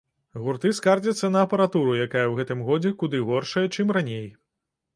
Гурты скардзяцца на апаратуру, якая ў гэтым годзе куды горшая, чым раней.